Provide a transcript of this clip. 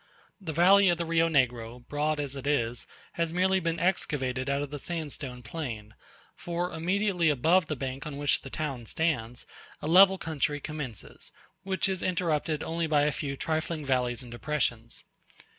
The valley of the Rio Negro, broad as it is, has merely been excavated out of the sandstone plain; for immediately above the bank on which the town stands, a level country commences, which is interrupted only by a few trifling valleys and depressions.